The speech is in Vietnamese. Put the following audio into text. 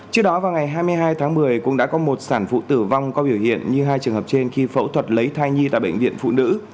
trước đó vào ngày hai mươi hai tháng một mươi cũng đã có một sản phụ tử vong có biểu hiện như hai trường hợp trên khi phẫu thuật lấy thai nhi tại bệnh viện phụ nữ